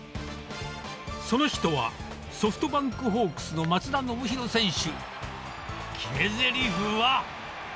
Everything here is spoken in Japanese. その人は、ソフトバンクホークスの松田宣浩選手。